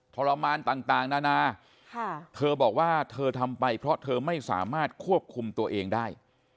ทรมานต่างนานาเธอบอกว่าเธอทำไปเพราะเธอไม่สามารถควบคุมตัวเองได้